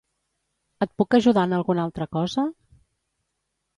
Et puc ajudar en alguna altra cosa?